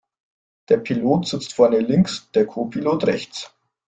Der Pilot sitzt vorne links, der Copilot rechts.